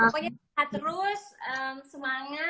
pokoknya tetap terus semangat